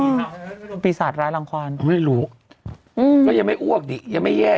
ปีศาจร้ายรังความไม่รู้อืมก็ยังไม่อ้วกดิยังไม่แย่